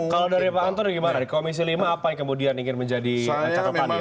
kalau dari pak antun gimana komisi lima apa yang kemudian ingin menjadi catatan ya terhadap kasus ini